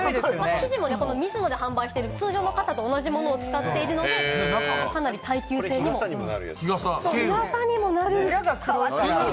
生地もミズノで販売してる通常の傘と同じものを使ってるので、耐久性があります。